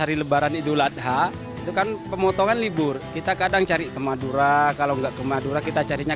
ini duladha itu kan pemotongan libur kita kadang cari ke madura kalau enggak ke madura kita carinya